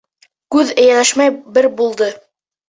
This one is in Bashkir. Күҙ эйәләшмәй бер булды.